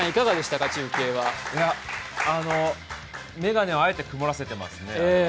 眼鏡はあえて曇らせてますね。